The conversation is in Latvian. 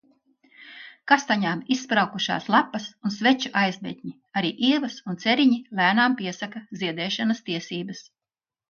Kastaņām izspraukušās lapas un sveču aizmetņi, arī ievas un ceriņi lēnām piesaka ziedēšanas tiesības.